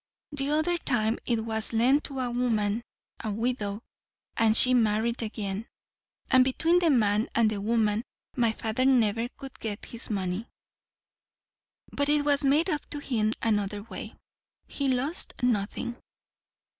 The other time it was lent to a woman, a widow; and she married again, and between the man and the woman my father never could get his money. But it was made up to him another way. He lost nothing."